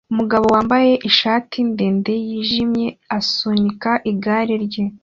Umugabo wambaye ishati ndende yijimye asunika igare rye